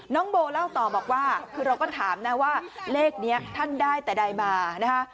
น้องโบเล่าต่อบอกว่าคือเราก็ถามนะว่าเลขนี้ท่านได้แต่ใดมานะคะ